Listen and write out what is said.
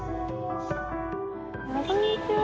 こんにちは！